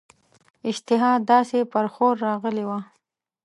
اشتها داسي پر ښور راغلې وه.